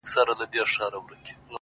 سوچه کاپیر وم چي راتلم تر میخانې پوري!